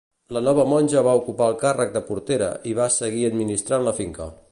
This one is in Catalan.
La nova monja va ocupar el càrrec de portera i va seguir administrant la finca.